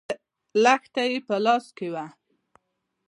لښته يې په لاس کې وه.